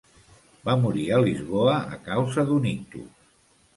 Va morir a Lisboa a causa d'un ictus.